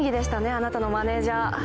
あなたのマネジャー。